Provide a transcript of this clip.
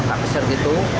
apa besar gitu